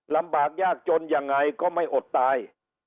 ลำบากยากจนยังไงก็ไม่อดตาย